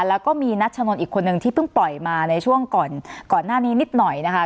แล้วก็มีนัชนนอีกคนนึงที่เพิ่งปล่อยมาในช่วงก่อนก่อนหน้านี้นิดหน่อยนะคะ